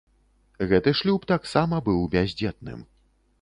Гэты шлюб таксама быў бяздзетным.